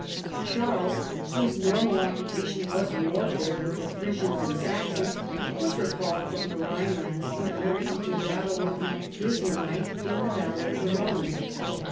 Charles, whose normal occupation was warfare with the Frisians and Saxons, was recalled from the Ilhine lands in order to do battle with the Islamite in the valley of the Rhone.